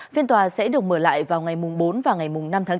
phiên tòa sẽ được mở lại vào ngày bốn và ngày năm tháng bốn